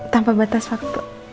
tanpa batas waktu